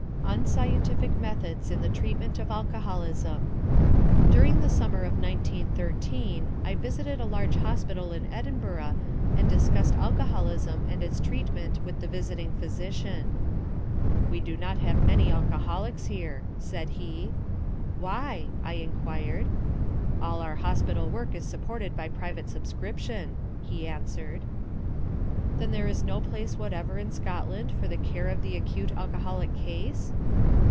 UNSCIENTIFIC METHODS IN THE TREATMENT OF ALCOHOLISM During the summer of 1913 I visited a large hospital in Edinburgh and discussed alcoholism and its treatment with the visiting physician. "We do not have many alcoholics here," said he. "Why?" I inquired. "All our hospital work is supported by private subscription," he answered. "Then there is no place whatever in Scotland for the care of the acute alcoholic case?"